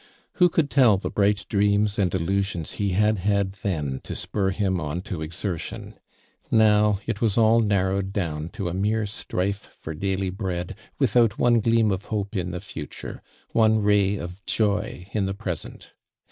Who could toll the bright dreams and illusions lie had had then to spur him on to exertion ? Now it was all narrowed down to a mere strife for daily bread without one gleam of hope in tlie future — one ray of joy in the present.